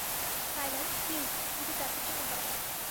Tyler, please, দুটো cappuccino দাও।